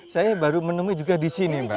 saya baru menemui juga di sini mbak